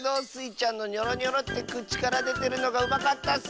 ちゃんのニョロニョロってくちからでてるのがうまかったッス！